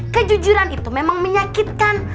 kejujuran itu memang menyakitkan